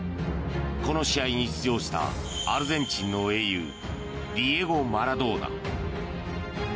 この試合に出場したアルゼンチンの英雄ディエゴ・マラドーナ。